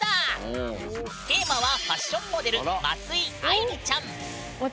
テーマはファッションモデル松井愛莉ちゃん！